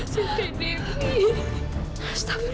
saya tidak akan pernah untuk melepaskan alat bantu dewi